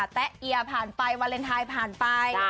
แ๊ะเอียผ่านไปวาเลนไทยผ่านไป